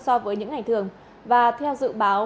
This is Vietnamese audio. so với những ngày thường và theo dự báo